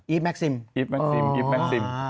อีฟแม็กซิม